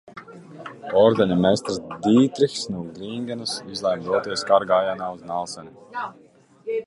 Ordeņa mestrs Dītrihs no Grīningenas izlēma doties karagājienā uz Nalseni.